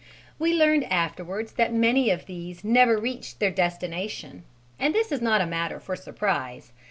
We learned afterwards that many of these never reached their destination; and this is not a matter for surprise.